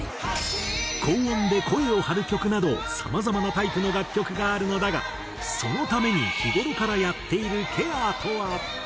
高音で声を張る曲などさまざまなタイプの楽曲があるのだがそのために日頃からやっているケアとは？